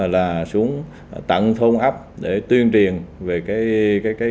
là xuống tận thôn ấp để tuyên truyền về cái